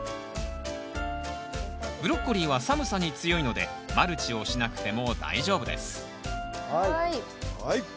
ブロッコリーは寒さに強いのでマルチをしなくても大丈夫ですはい。